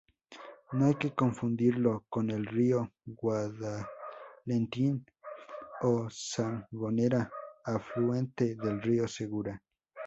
No hay que confundirlo con el río Guadalentín o Sangonera afluente del río Segura.